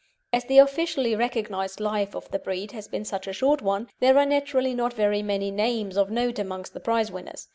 As the officially recognised life of the breed has been such a short one, there are naturally not very many names of note among the prize winners.